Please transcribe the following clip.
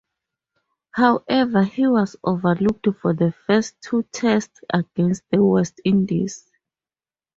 However he was overlooked for the first two tests against the West Indies.